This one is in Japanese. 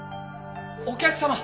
お客様！